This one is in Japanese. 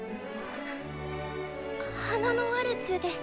「花のワルツ」です。